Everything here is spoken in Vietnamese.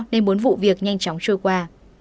nên muốn vụ việc nhanh chóng trôi qua